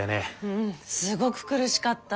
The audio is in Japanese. うんすごく苦しかった。